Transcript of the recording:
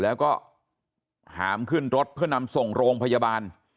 แล้วก็หามขึ้นรถเพื่อนำส่งโรงพยาบาล